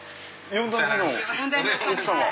４代目の奥様。